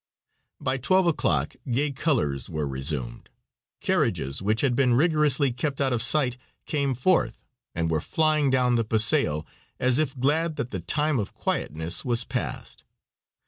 By 12 o'clock gay colors were resumed, carriages which had been rigorously kept out of sight came forth and were flying down the paseo as if glad that the time of quietness was past.